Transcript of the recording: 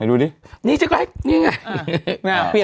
อันนี้จะให้นาง่าย